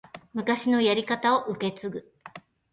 昔のやり方を受け継ぐ